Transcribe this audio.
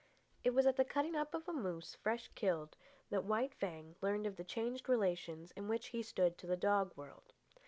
It was at the cutting up of a moose, fresh killed, that White Fang learned of the changed relations in which he stood to the dog world.